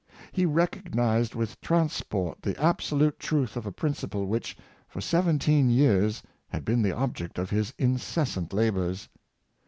He recognized with transport the absolute truth of a prin ciple which, for seventeen years, had been the object of his incessant labors.